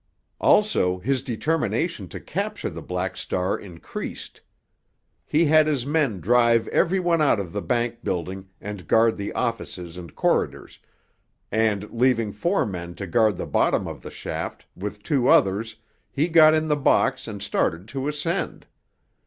Also, his determination to capture the Black Star increased. He had his men drive every one out of the bank building and guard the offices and corridors, and, leaving four men to guard the bottom of the shaft, with two others, he got in the box and started to ascend.